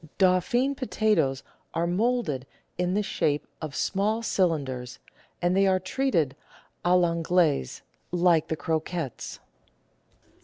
Dauphine potatoes are moulded in the shape of small cylinders, and they are treated a I' Anglaise, like the croquettes.